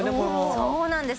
そうなんです